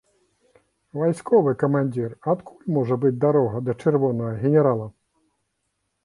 Вайсковы камандзір, адкуль можа быць дарога да чырвонага генерала?